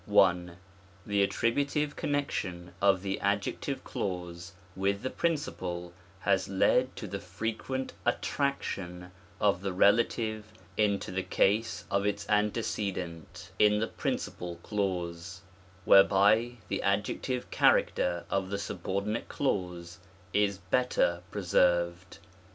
1. The attributive connection of the adjective clause with the principal, has led to the frequent at traction of the relative into the case of its antecedent in the principal clause, whereby the adjective character of the subordinate clause is better preserved.